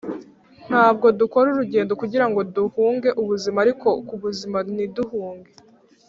ntabwo dukora urugendo kugirango duhunge ubuzima, ariko kubuzima ntiduhunge.